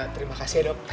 terima kasih dok